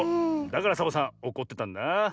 だからサボさんおこってたんだ。